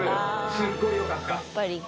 すっごいよかった